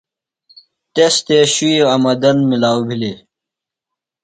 تس تھےۡ شوئی آمدن ملاؤ بِھلیۡ۔